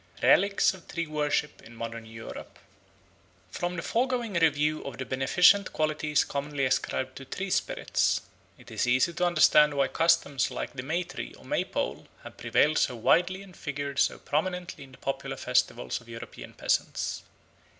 Relics of Tree Worship in Modern Europe FROM THE FOREGOING review of the beneficent qualities commonly ascribed to tree spirits, it is easy to understand why customs like the May tree or May pole have prevailed so widely and figured so prominently in the popular festivals of European peasants.